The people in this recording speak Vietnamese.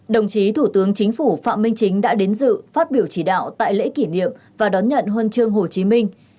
đồng chí thủ tướng chính phủ phạm minh chính đã đến dự phát biểu chỉ đạo tại lễ kỷ niệm và đón nhận huân chương hồ chí minh